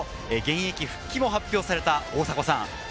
現役復帰も発表された大迫さん。